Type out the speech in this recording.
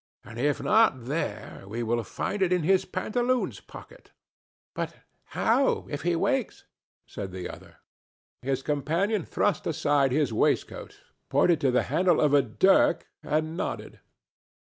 And if not there, we will find it in his pantaloons pocket." "But how if he wakes?" said the other. His companion thrust aside his waistcoat, pointed to the handle of a dirk and nodded.